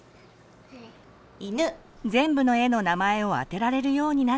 全部の絵の名前を当てられるようになったら。